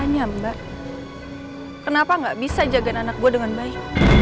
tapi ya mbak kenapa gak bisa jagain anak gue dengan baik